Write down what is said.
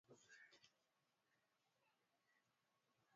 na tayari shirika la umoja wa mataifa linalo shughulikia